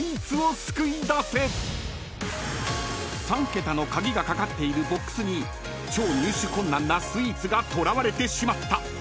［３桁の鍵が掛かっているボックスに超入手困難なスイーツが捕らわれてしまった］